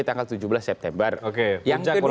tanggal tujuh belas september oke